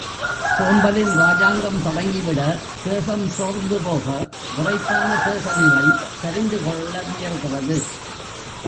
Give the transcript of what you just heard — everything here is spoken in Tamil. சோம்பலின் ராஜாங்கம் தொடங்கிவிட தேகம் சோர்ந்து போக விறைப்பான தேகநிலை சரிந்து கொள்ள முயல்கிறது.